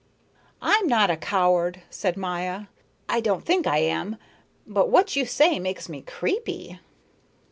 "I am not a coward," said Maya, "I don't think I am, but what you say makes me creepy."